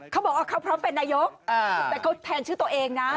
เขาบอกว่าเขาพร้อมเป็นนายกแต่เขาแทนชื่อตัวเองนะ